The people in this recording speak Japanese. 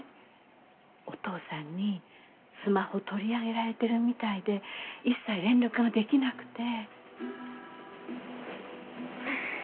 お父さんにスマホ取り上げられてるみたいで一切連絡ができなくて。